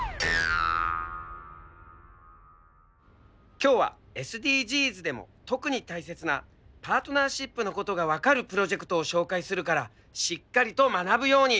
今日はＳＤＧｓでも特に大切なパートナーシップのことが分かるプロジェクトを紹介するからしっかりと学ぶように。